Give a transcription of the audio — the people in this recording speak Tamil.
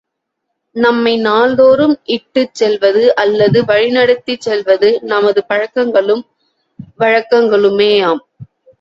நம்மை நாள்தோறும் இட்டுச் செல்வது அல்லது வழிநடத்திச் செல்வது நமது பழக்கங்களும் வழக்கங்களுமேயாம்.